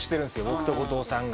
僕と後藤さんが。